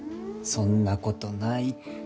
そんなことないって。